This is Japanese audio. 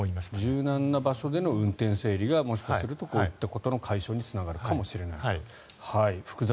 柔軟な場所での運転整理がもしかしたらこういったことの解消につながるかもしれないと。